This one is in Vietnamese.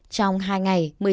trong hai ngày một mươi sáu